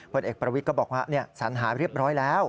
ผลเอกประวิทย์ก็บอกว่าสัญหาเรียบร้อยแล้ว